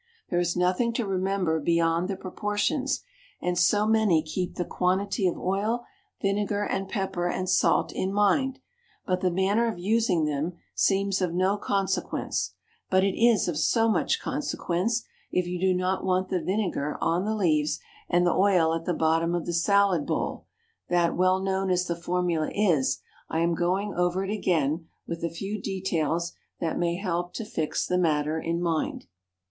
There is nothing to remember beyond the proportions, and so many keep the quantity of oil, vinegar, and pepper and salt in mind, but the manner of using them seems of no consequence; but it is of so much consequence, if you do not want the vinegar on the leaves and the oil at the bottom of the salad bowl, that, well known as the formula is, I am going over it again with a few details that may help to fix the matter in mind.